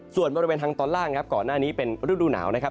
ส่วนบริเวณทางตอนล่างครับก่อนหน้านี้เป็นฤดูหนาวนะครับ